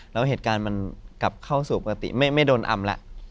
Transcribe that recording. แล้วเหตุการณ์มันกลับเข้าสู่ปกติไม่โดนอำแล้ว